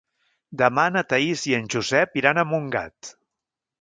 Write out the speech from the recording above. Demà na Thaís i en Josep iran a Montgat.